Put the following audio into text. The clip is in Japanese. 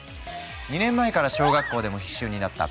２年前から小学校でも必修になったプログラミング。